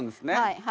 はい。